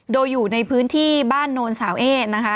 โดยอยู่ในพื้นที่บ้านโนนสาวเอ๊นะคะ